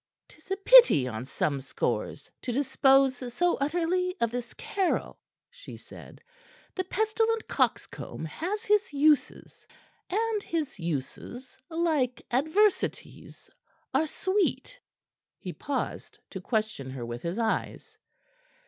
"'Tis a pity, on some scores, to dispose so utterly of this Caryll," she said. "The pestilent coxcomb has his uses, and his uses, like adversity's, are sweet." He paused to question her with his eyes.